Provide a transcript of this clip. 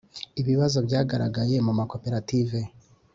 Ibibazo byagaragaye mu makoperative